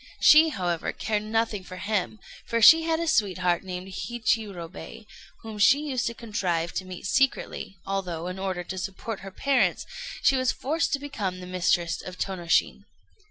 She, however, cared nothing for him, for she had a sweetheart named Hichirobei, whom she used to contrive to meet secretly, although, in order to support her parents, she was forced to become the mistress of Tônoshin.